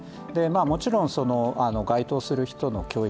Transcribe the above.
もちろん、該当する人の教育